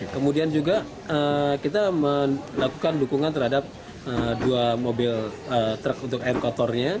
kemudian juga kita melakukan dukungan terhadap dua mobil truk untuk air kotornya